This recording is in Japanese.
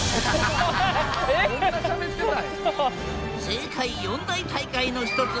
世界４大大会の一つ